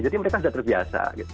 jadi mereka sudah terbiasa